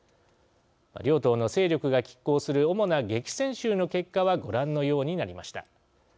両党の勢力が、きっ抗する主な激戦州の結果はご覧のようになりました。